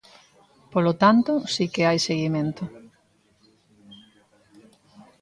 Polo tanto, si que hai seguimento.